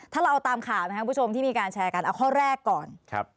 ถ้าเราตามข่าวที่มีการแชร์กันเอาข้อแรกก่อน